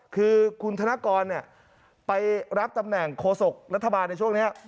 คือคุณธนกรมีนไปรับตำแหน่งโฆษกการเมืองรัฐบาลในช่วงเหรอ